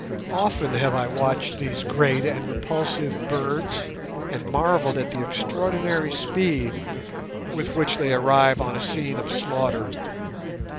Often have I watched these great and repulsive birds, and marvelled at the extraordinary speed with which they arrive on a scene of slaughter.